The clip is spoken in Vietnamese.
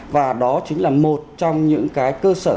và đó chính là một trong những cái cơ sở